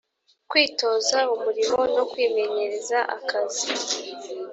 kwitoza umurimo no kwimenyereza akazi